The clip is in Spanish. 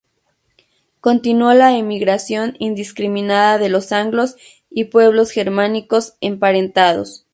Continuó la emigración indiscriminada de los anglos y pueblos germánicos emparentados.